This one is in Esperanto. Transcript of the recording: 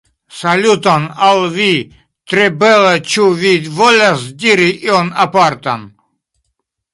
Saluton al vi! tre bele ĉu vi volas diri ion apartan?